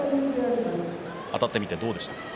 あたってみてどうでした？